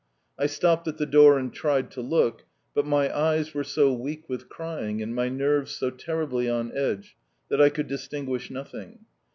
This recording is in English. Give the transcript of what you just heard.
I stopped at the door and tried to look, but my eyes were so weak with crying, and my nerves so terribly on edge, that I could distinguish nothing.